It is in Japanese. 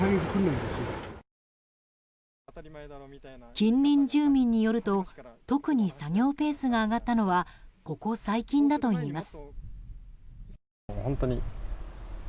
近隣住民によると特に作業ペースが上がったのはここ最近だといいます。